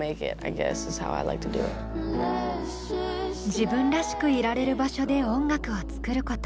自分らしくいられる場所で音楽を作ること。